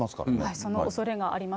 そのおそれがあります。